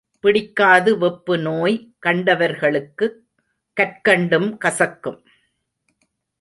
பிடிக்காது வெப்புநோய் கண்டவர்களுக்குக் கற்கண்டும் கசக்கும்.